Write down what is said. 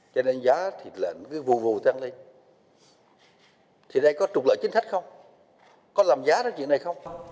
cho nên giá thịt lợn cứ vù vù tăng lên thì đây có trục lợi chính thách không có làm giá ra chuyện này không